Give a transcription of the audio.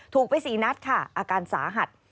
ถูกไป๔นัดค่ะอาการสาหัส